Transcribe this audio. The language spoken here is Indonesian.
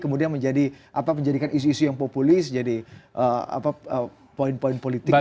kemudian menjadikan isu isu yang populis jadi poin poin politik dari p tiga